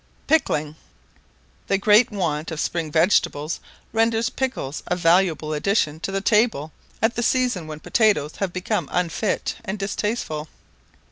PICKLING. The great want of spring vegetables renders pickles a valuable addition to the table at the season when potatoes have become unfit and distasteful.